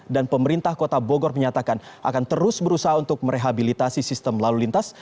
dan pemerintah kota bogor menyatakan akan terus berusaha untuk merehabilitasi sistem lalu lintas